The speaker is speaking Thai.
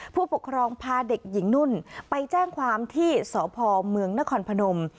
ผู้ปกครองพาเด็กหญิงนุ่นไปแจ้งความที่สพเมืองนครพนม